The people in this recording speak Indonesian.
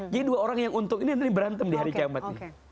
jadi dua orang yang untung ini nanti berantem di hari kiamat